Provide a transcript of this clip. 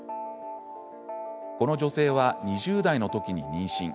この女性は２０代のときに妊娠。